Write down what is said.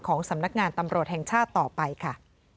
สำนักงานตำรวจแห่งชาติต่อไปค่ะ